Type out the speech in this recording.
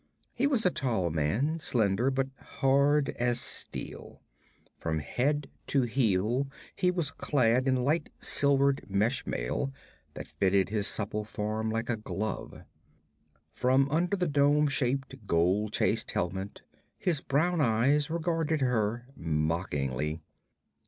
He was a tall man, slender, but hard as steel. From head to heel he was clad in light silvered mesh mail that fitted his supple form like a glove. From under the dome shaped, gold chased helmet his brown eyes regarded her mockingly.